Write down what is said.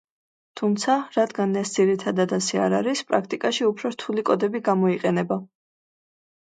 თუმცა, რადგან ეს ძირითადად ასე არ არის, პრაქტიკაში უფრო რთული კოდები გამოიყენება.